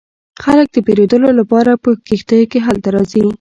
خلک د پیرودلو لپاره په کښتیو کې هلته راځي